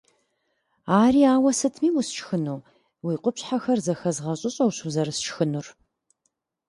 Ари ауэ сытми усшхыну, уи къупщхьэхэр зэхэзгъэщӀыщӀэущ узэрысшхынур.